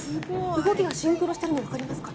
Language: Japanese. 動きがシンクロしているのがわかりますか？